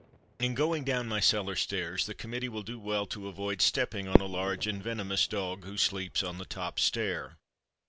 In going down my cellar stairs the committee will do well to avoid stepping on a large and venomous dog who sleeps on the top stair.